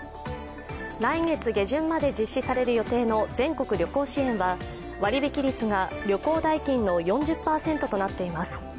来月下旬まで実施される予定の全国旅行支援は割引率が旅行代金の４０％となっています。